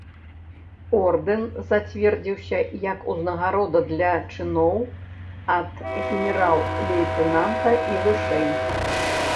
Ордэн зацвердзіўся як узнагарода для чыноў ад генерал-лейтэнанта і вышэй.